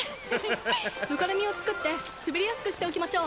ぬかるみをつくってすべりやすくしておきましょう。